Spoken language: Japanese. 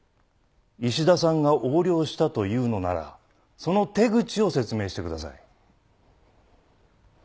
石田さんが横領したと言うのならその手口を説明してください。